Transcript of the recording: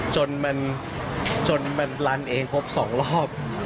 จนมันลันเองครบ๒รอบ